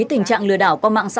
tình trạng lừa đảo qua mạng xã hội